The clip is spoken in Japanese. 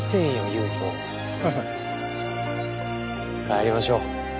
帰りましょう。